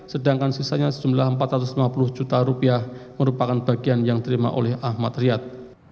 sedangkan sisanya sejumlah empat ratus lima puluh juta rupiah merupakan bagian yang diterima oleh ahmad riyad